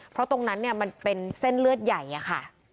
เพราะตรงนั้นเนี่ยมันเป็นเส้นเลือดใหญ่อะค่ะ